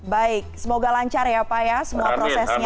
baik semoga lancar ya pak ya semua prosesnya